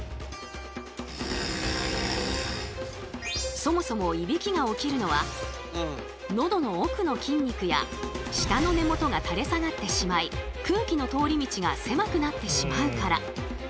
そもそもいびきが起きるのはのどの奥の筋肉や舌の根元が垂れ下がってしまい空気の通り道が狭くなってしまうから。